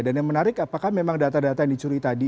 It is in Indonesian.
dan yang menarik apakah memang data data yang dicuri tadi